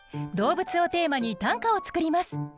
「動物」をテーマに短歌を作ります。